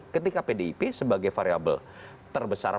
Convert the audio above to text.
ketika pdip sebagai variable terbesar